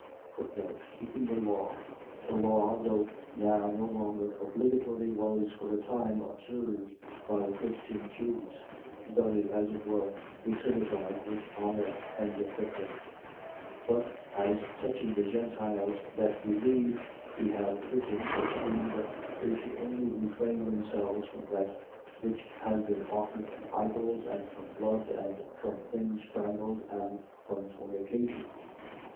Keeping the law. . .The law, though now no longer obligatory, was for a time observed by the Christian Jews: to bury, as it were, the synagogue with honour. 21:25. But, as touching the Gentiles that believe, we have written, decreeing that they should only refrain themselves from that which has been offered to idols and from blood and from things strangled and from fornication.